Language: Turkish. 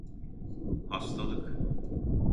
Hastalık.